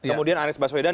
kemudian anies baswedan